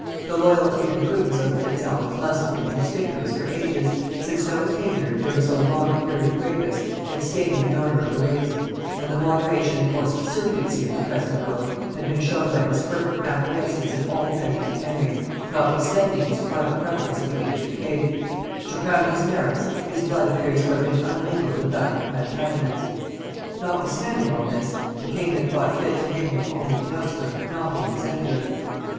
The loyalty and prudence of the Fitzalans must have been conspicuous for ages, since no attainder, during so long a period of greatness, had stained the honor of the race; and the moderation or subserviency of the present earl had been shown by his perfect acquiescence in all the measures of Henry, notwithstanding his private preference of the ancient faith: to crown his merits, his blood appears to have been unmingled with that of the Plantagenets. Notwithstanding all this, the king had thought fit to name him only a counsellor, not an executor.